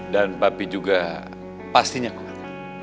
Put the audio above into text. dan papi juga pastinya kuat